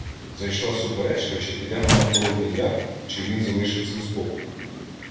Зайшла суперечка — чи підемо на Холодний Яр, чи він залишиться збоку.